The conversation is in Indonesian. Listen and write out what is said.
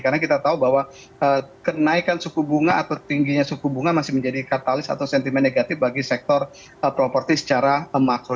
karena kita tahu bahwa kenaikan suku bunga atau tingginya suku bunga masih menjadi katalis atau sentimen negatif bagi sektor properti secara makro